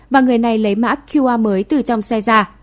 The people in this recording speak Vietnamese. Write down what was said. và người này lấy mã qr mới từ trong xe ra